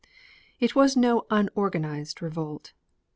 It was no unorganized revolt.